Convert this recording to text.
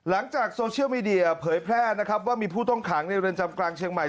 หลังจากโซเชียลมีเดียเผยแพร่นะครับว่ามีผู้ต้องขังในเรือนจำกลางเชียงใหม่